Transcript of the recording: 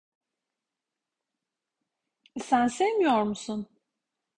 Sen sevmiyor musun?